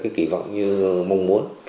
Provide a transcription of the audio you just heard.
cái kỳ vọng như mong muốn